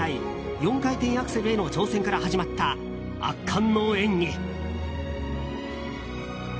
４回転アクセルへの挑戦から始まった圧巻の演技。